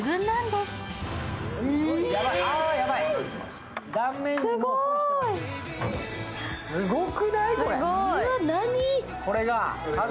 すごくない？